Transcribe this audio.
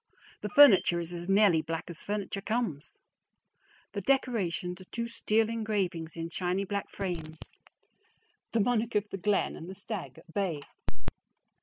The furniture is as nearly black as furniture comes. The decorations are two steel engravings in shiny black frames the "Monarch of the Glen," and the "Stag at Bay."